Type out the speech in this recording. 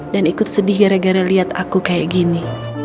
dan ikut sedih gara gara liat aku kayak gini